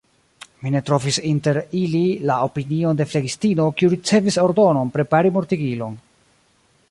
Mi ne trovis inter ili la opinion de flegistino, kiu ricevis ordonon prepari mortigilon.